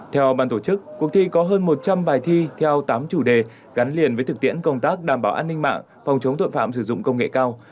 theo ban tổ chức cuộc thi có hơn một trăm linh bài thi theo tám chủ đề gắn liền với thực tiễn công tác đảm bảo an ninh mạng phòng chống tội phạm sử dụng công nghệ cao